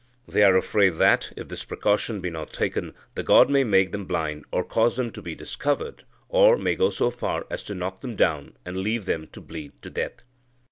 They are afraid that, if this precaution be not taken, the god may make them blind, or cause them to be discovered, or may go so far as to knock them down, and leave them to bleed to death."